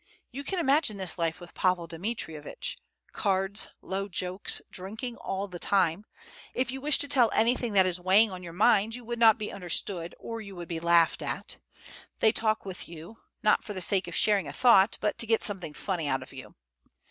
You can imagine this life with Pavel Dmitrievitch; cards, low jokes, drinking all the time; if you wish to tell anything that is weighing on your mind, you would not be understood, or you would be laughed at: they talk with you, not for the sake of sharing a thought, but to get something funny out of you.